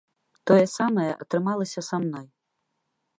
Тое самае атрымалася са мной.